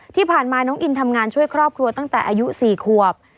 ที่ผ่านมาน้องอินทำงานช่วยครอบครัวตั้งแต่อายุ๔ขวบ